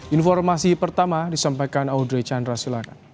informasi pertama disampaikan audrey chandra silahkan